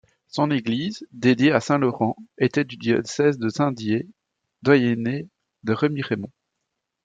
Son église, dédiée à saint Laurent, était du diocèse de Saint-Dié, doyenné de Remiremont.